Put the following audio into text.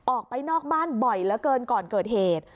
ออกไปนอกบ้านบ่อยเหลือเกินก่อนเกิดเหตุ